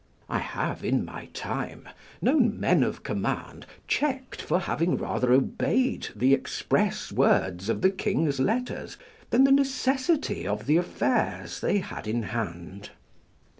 I have, in my time, known men of command checked for having rather obeyed the express words of the king's letters, than the necessity of the affairs they had in hand.